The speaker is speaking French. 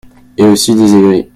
Et aussi des aigris.